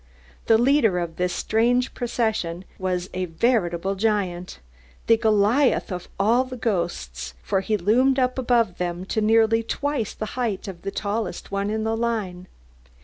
The leader of this strange procession was a veritable giant, the Goliath of all the ghosts, for he loomed up above them to nearly twice the height of the tallest one in the line.